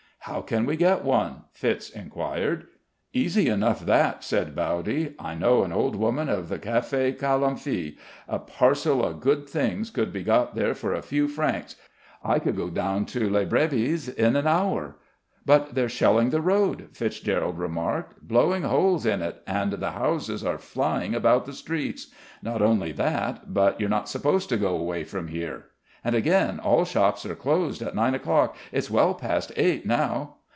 "How can we get one?" Fitz enquired. "Easy enough that," said Bowdy. "I know an old woman of the Café Calomphie. A parcel of good things could be got there for a few francs. I could go down to Les Brebis in an hour." "But they're shelling the road," Fitzgerald remarked. "Blowing holes in it, and the houses are flying about the streets. Not only that, but you're not supposed to go away from here. And again, all shops are closed at nine o'clock. It's well past eight now...."